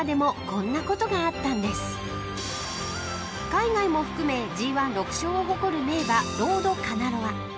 ［海外も含めＧⅠ６勝を誇る名馬ロードカナロア］